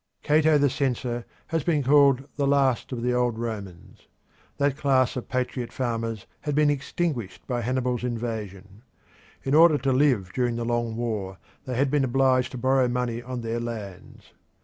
Cato the censor has been called the last of the old Romans. That class of patriot farmers had been extinguished by Hannibal's invasion. In order to live during the long war they had been obliged to borrow money on their lands.